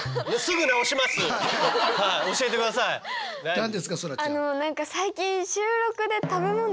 何ですかそらちゃん。